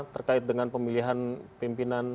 terkait dengan pemilihan pimpinan